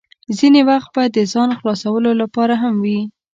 ځینې وخت به د ځان خلاصولو لپاره هم وې.